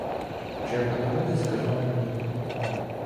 Вже по дорозі сказав мені: